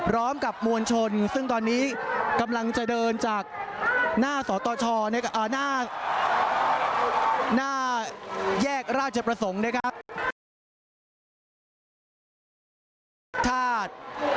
มวลชนซึ่งตอนนี้กำลังจะเดินจากหน้าสตชหน้าแยกราชประสงค์นะครับ